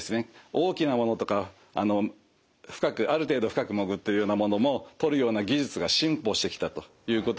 大きなものとかある程度深く潜っているようなものも取るような技術が進歩してきたということが一つですね。